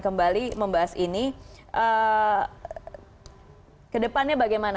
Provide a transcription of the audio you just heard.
kembali membahas ini